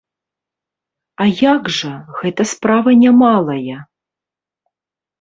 А як жа, гэта справа не малая.